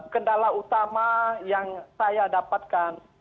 kendala utama yang saya dapatkan